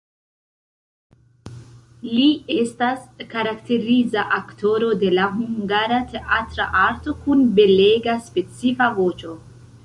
Li estas karakteriza aktoro de la hungara teatra arto kun belega, specifa voĉo.